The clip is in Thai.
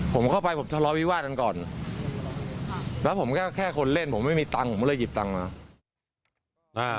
ผมเข้าไปผมทะเลาวิวาดกันก่อนแล้วผมก็แค่คนเล่นผมไม่มีตังค์ผมก็เลยหยิบตังค์มา